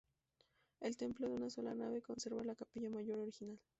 El templo, de una sola nave, conserva la capilla mayor original.